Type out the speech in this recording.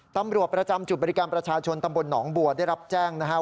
ตำรวจประจำจุดบริการประชาชนตำบลหนองบัวได้รับแจ้งนะครับ